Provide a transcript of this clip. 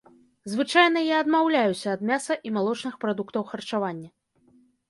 Звычайна я адмаўляюся ад мяса і малочных прадуктаў харчавання.